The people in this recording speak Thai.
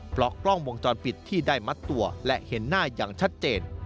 เพราะกล้องวงจรปิดที่ได้มัดตัวและเห็นหน้าอย่างชัดเจน